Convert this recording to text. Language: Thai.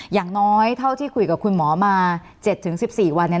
อย่างน้อยเท่าที่คุยกับคุณหมอมา๗๑๔วันเนี่ย